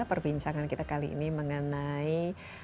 perbincangan kita kali ini mengenai